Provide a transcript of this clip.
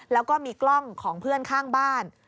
แล้วก็มีกล้องของเพื่อนข้างบ้าน